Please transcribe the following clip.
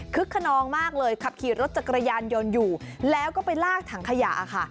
ขนองมากเลยขับขี่รถจักรยานยนต์อยู่แล้วก็ไปลากถังขยะค่ะ